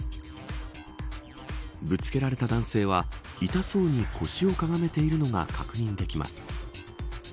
ぶつけられた男性は痛そうに腰をかがめているのが確認できます。